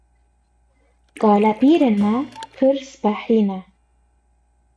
Kalepîrên me pir spehî ne.